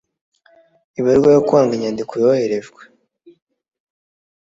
Ibarwa yo kwanga inyandiko yoherejwe